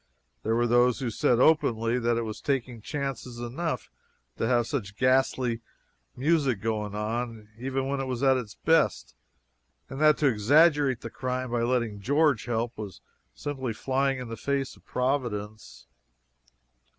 There were those who said openly that it was taking chances enough to have such ghastly music going on, even when it was at its best; and that to exaggerate the crime by letting George help was simply flying in the face of Providence.